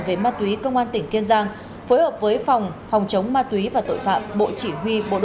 về ma túy công an tỉnh kiên giang phối hợp với phòng chống ma túy và tội phạm bộ chỉ huy